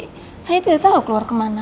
k luar aja sih saya tidak tahu keluar kemana